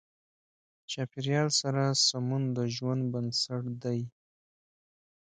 چاپېریال سره سمون د ژوند بنسټ دی.